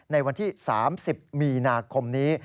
ในวันที่๓๐มีนาคมนี้